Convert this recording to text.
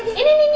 iya tuh tuh tuh